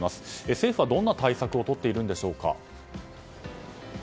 政府はどんな対策をとっているんでしょうか。